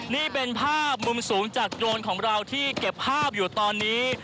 นี่เป็นภาพมุมสูงจากโดรนของเราที่เก็บภาพอยู่ตอนนี้